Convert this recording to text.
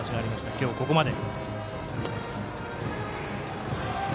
今日ここまで。